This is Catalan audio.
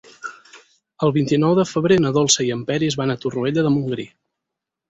El vint-i-nou de febrer na Dolça i en Peris van a Torroella de Montgrí.